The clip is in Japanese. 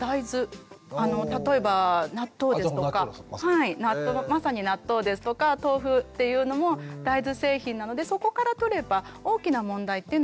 例えば納豆ですとかまさに納豆ですとか豆腐っていうのも大豆製品なのでそこからとれば大きな問題っていうのはないです。